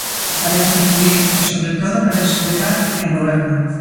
Para coincidir e, sobre todo, para discrepar de quen goberna.